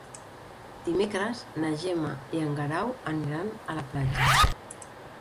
Dimecres na Gemma i en Guerau aniran a la platja.